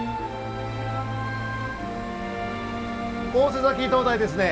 大瀬埼灯台ですね。